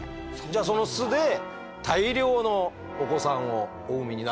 じゃあその巣で大量のお子さんをお産みになるってことですね？